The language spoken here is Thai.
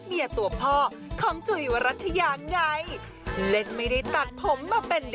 เมียตัวพ่อของจุ๋ยวรัฐยาไงเล่นไม่ได้ตัดผมมาเป็น